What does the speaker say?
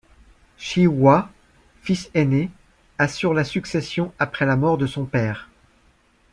Chee-Hwa, fils aîné, assure la succession après la mort de son père.